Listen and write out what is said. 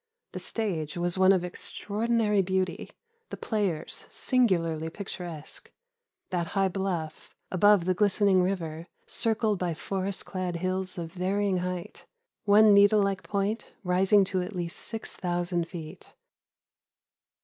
The stage was one of extraordinary beauty, the players singularly picturesque. That high bluff, above the glistening river, circled by forest clad hills of varying height, one needle like point rising to at least 6000 feet.